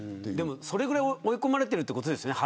それぐらい追い込まれているということですよね。